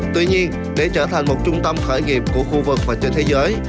tuy nhiên để trở thành một trung tâm khởi nghiệp của khu vực và trên thế giới